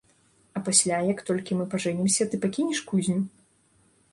А пасля, як толькі мы пажэнімся, ты пакінеш кузню?